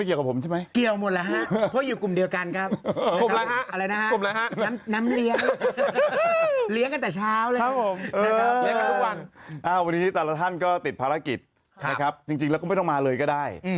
ใช่ไหมเกี่ยวหมดแล้วฮะเพราะอยู่กลุ่มเดียวกันครับ